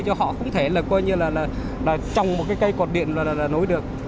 cho họ không thể là coi như là trồng một cái cây cột điện là nối được